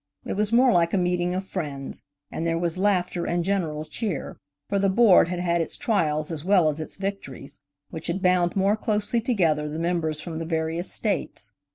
It was more like a meeting of friends, and there was laughter and general cheer, for the Board had had its trials as well as its victo ries, which had bound more closely together the members from the various states.